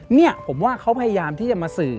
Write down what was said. เนี่ยผมว่าเขาพยายามที่จะมาสื่อ